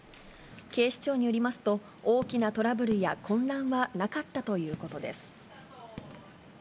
警視庁によりますと、大きなトラブルや混乱はなかったということです。